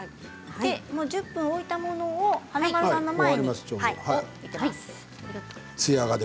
１０分置いたものを華丸さんの前に置いてあります。